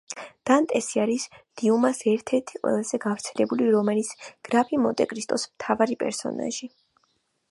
დანტესი არის დიუმას ერთ-ერთი ყველაზე გავრცელებული რომანის, გრაფი მონტე-კრისტოს მთავარი პერსონაჟი.